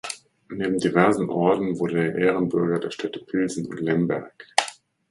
Neben diversen Orden wurde er Ehrenbürger der Städte Pilsen und Lemberg.